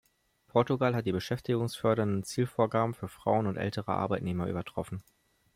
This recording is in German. Portugal hat die beschäftigungsfördernden Zielvorgaben für Frauen und ältere Arbeitnehmer übertroffen.